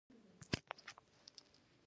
زه له مشورې ورکولو څخه نه شرمېږم.